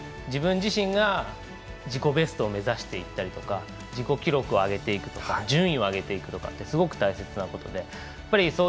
自分自身が自己ベストを目指していったりとか自己記録を上げていくとか順位を上げていくとかってすごく大切なことで。